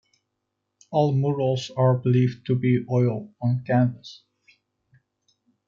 All murals are believed to be oil on canvas.